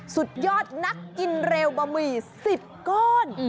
สุดยอดนักกินเร็วบะหมี่๑๐ก้อน